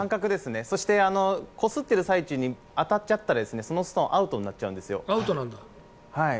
そして、こすってる最中に当たっちゃったらそのストーンはアウトになっちゃうんですよ。